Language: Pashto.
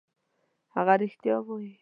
هغه رښتیا وايي.